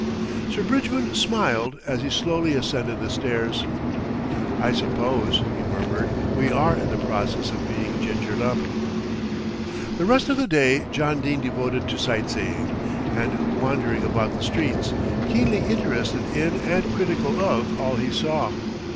Sir Bridgman smiled as he slowly ascended the stairs. "I suppose," he murmured, "we are in the process of being gingered up." The rest of the day John Dene devoted to sight seeing and wandering about the streets, keenly interested in and critical of all he saw.